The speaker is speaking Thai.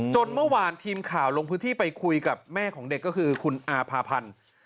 เมื่อวานทีมข่าวลงพื้นที่ไปคุยกับแม่ของเด็กก็คือคุณอาภาพันธ์